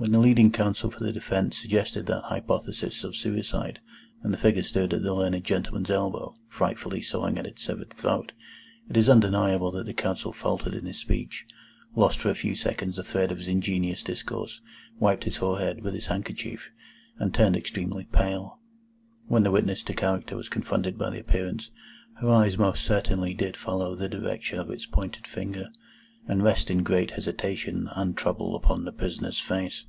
When the leading counsel for the defence suggested that hypothesis of suicide, and the figure stood at the learned gentleman's elbow, frightfully sawing at its severed throat, it is undeniable that the counsel faltered in his speech, lost for a few seconds the thread of his ingenious discourse, wiped his forehead with his handkerchief, and turned extremely pale. When the witness to character was confronted by the Appearance, her eyes most certainly did follow the direction of its pointed finger, and rest in great hesitation and trouble upon the prisoner's face.